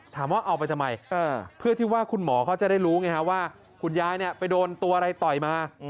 เอาไปทำไมเพื่อที่ว่าคุณหมอเขาจะได้รู้ไงฮะว่าคุณยายไปโดนตัวอะไรต่อยมา